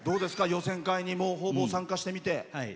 予選会に、ほうぼう参加してみて。